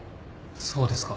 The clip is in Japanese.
そうですか。